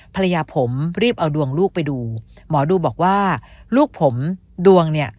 ภรรยาผมรีบเอาดวงลูกไปดูหมอดูบอกว่าลูกผมดวงเนี่ย